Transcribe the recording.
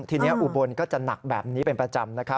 ทีนี้อุบลก็จะหนักแบบนี้เป็นประจำ